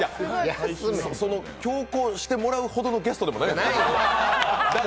強行してもらうほどのゲストでもない